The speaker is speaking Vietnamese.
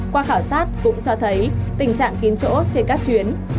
qua khảo sát cũng cho thấy tình trạng kín chỗ trên các chuyến